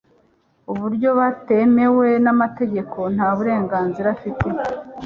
mu buryo butemewe n'amategeko nta burenganzira afite